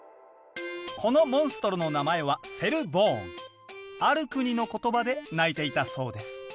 このモンストロの名前はある国の言葉で鳴いていたそうです